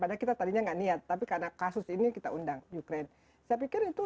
padahal kita tadinya nggak niat tapi karena kasus ini kita undang ukraine saya pikir itu